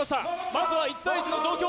まずは１対１の状況